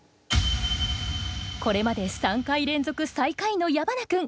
これまで３回連続最下位の矢花君。